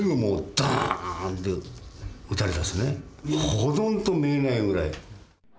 ほとんど見えないぐらい。